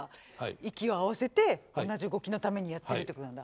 息を合わせて同じ動きのためにやってるってことなんだ。